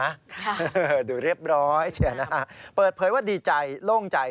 ค่ะดูเรียบร้อยเชียร์นะฮะเปิดเผยว่าดีใจโล่งใจ